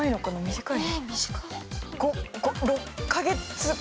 短い？